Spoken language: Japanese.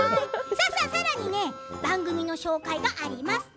さらに番組の紹介があります。